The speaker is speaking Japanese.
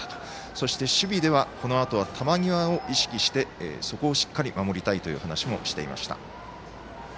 そして、守備ではこのあとは球際を意識してそこをしっかり守りたいという話もしていました。